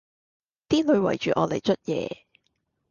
啲女圍住我嚟捽嘢